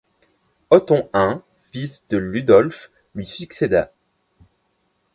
Otton I fils de Ludolphe lui succéda.